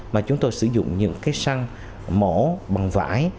mà chúng tôi sử dụng những cái săn mổ bằng vải